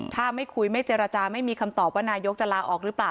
ถ้าไม่คุยไม่เจรจาไม่มีคำตอบว่านายกจะลาออกหรือเปล่า